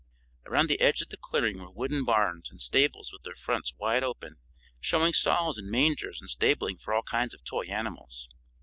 Around the edge of the clearing were wooden barns and stables with their fronts wide open, showing stalls and mangers and stabling for all kinds of toy animals.